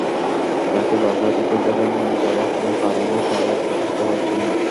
তাঁকে বাসা থেকে ধরে নিয়ে যাওয়ার কোনো কারণও তাঁরা বুঝতে পারছেন না।